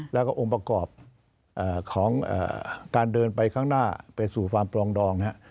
แล้วก็องค์ประกอบของการเดินไปข้างหน้าไปสู่ความปลองดองนะครับ